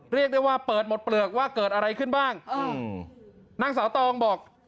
เรียกได้ว่าเปิดหมดเปลือกว่าเกิดอะไรขึ้นบ้างอืมนางสาวตองบอก